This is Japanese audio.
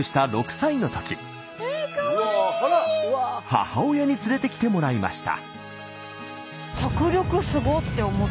母親に連れてきてもらいました。